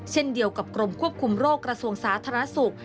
เช่นเดียวกับกรมควบคุมโรคกระทรวงสาธารณสุข